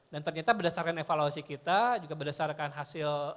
dan ternyata berdasarkan evaluasi kita juga berdasarkan hasil